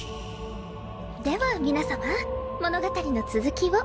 では皆さま物語の続きを。